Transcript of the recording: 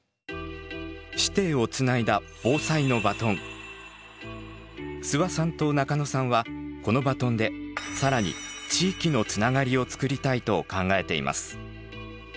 師弟をつないだ諏訪さんと中野さんはこのバトンで更に「地域のつながり」を作りたいと考えています。